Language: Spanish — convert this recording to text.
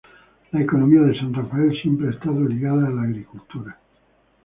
La economía de San Rafael siempre ha estado ligada a la agricultura.